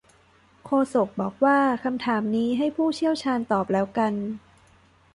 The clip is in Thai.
โฆษกบอกว่าคำถามนี้ให้ผู้เชี่ยวชาญตอบแล้วกัน